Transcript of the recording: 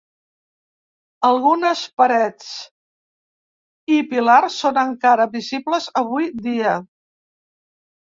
Algunes parets i pilars són encara visibles avui dia.